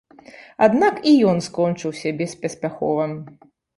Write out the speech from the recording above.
Аднак і ён скончыўся беспаспяхова.